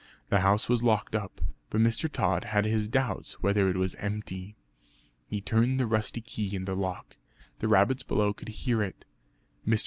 The house was locked up, but Mr. Tod had his doubts whether it was empty. He turned the rusty key in the lock; the rabbits below could hear it. Mr.